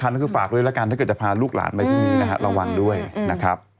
นั่นคือฝากด้วยแล้วกันถ้าเกิดจะพาลูกหลานไปพรุ่งนี้นะฮะระวังด้วยนะครับ